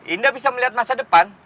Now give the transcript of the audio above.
indah bisa melihat masa depan